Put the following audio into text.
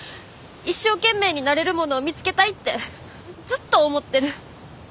一生懸命になれるものを見つけたいってずっと思ってる。